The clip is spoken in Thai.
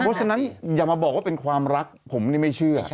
เพราะฉะนั้นอย่ามาบอกว่าเป็นความรักผมนี่ไม่เชื่อ